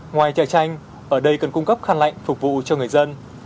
ngoài trà chanh ở đây cần cung cấp khăn lạnh phục vụ cho người dân